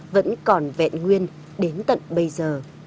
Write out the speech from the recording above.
vẫn còn vẹn nguyên đến tận bây giờ